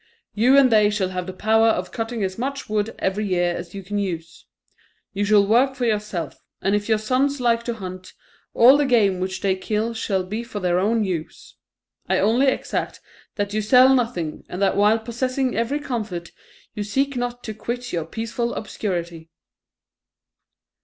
You and they shall have the power of cutting as much wood every year as you can use; you shall work for yourself; and if your sons like to hunt, all the game which they kill shall be for their own use. I only exact that you sell nothing, and that while possessing every comfort, you seek not to quit your peaceful obscurity."